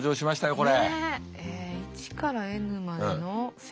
これ。